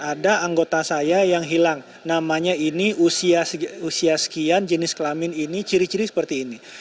ada anggota saya yang hilang namanya ini usia sekian jenis kelamin ini ciri ciri seperti ini